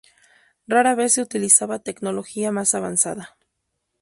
Rara vez se utilizaba tecnología más avanzada.